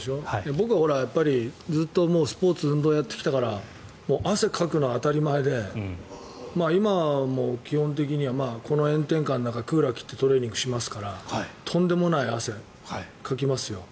僕はずっとスポーツ運動をやってきたから汗をかくのは当たり前で今も気温的には、この炎天下の中クーラー切ってトレーニングしますからとんでもない汗をかきますよ。